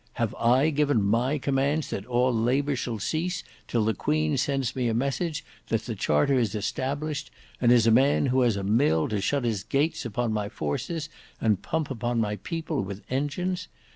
Have I given my commands that all labour shall cease till the Queen sends me a message that the Charter is established, and is a man who has a mill, to shut his gates upon my forces, and pump upon my people with engines?